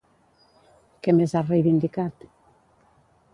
Què més ha reivindicat?